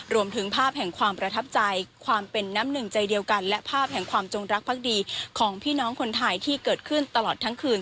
รวมถึงภาพแห่งความประทับใจความเป็นน้ำหนึ่งใจเดียวกันและภาพแห่งความจงรักภักดีของพี่น้องคนไทยที่เกิดขึ้นตลอดทั้งคืน